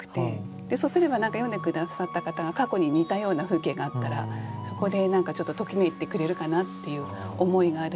そうすれば何か読んで下さった方が過去に似たような風景があったらそこで何かちょっとときめいてくれるかなっていう思いがあるので。